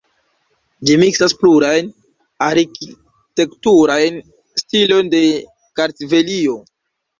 Ĝi miksas plurajn arkitekturajn stilojn de Kartvelio.